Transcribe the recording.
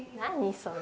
それ。